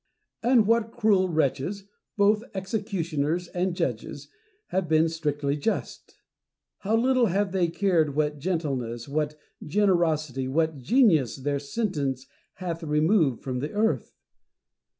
And what cruel wretches, both execu tioners and judges, have been strictly just ! how little have they cared what gentleness, what generosity, what genius, their sentence hath removed from the earth